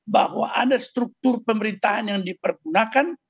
bahwa ada struktur pemerintahan yang dipergunakan